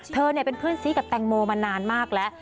เธอเป็นเพื่อนซีกับแตงโมมานานมากแล้ว